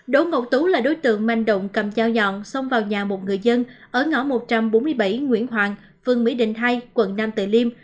đỗ ngọc tú là đối tượng manh động cầm dao nhọn xông vào nhà một người dân ở ngõ một trăm bốn mươi bảy nguyễn hoàng phường mỹ đình hai quận nam từ liêm